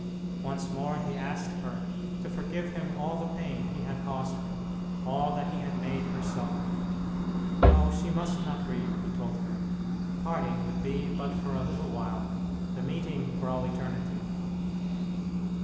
Once more he asked her to forgive him all the pain he had caused her, all that he had made her suffer. No, she must not grieve, he told her; the parting would be but for a little while, the meeting for all eternity.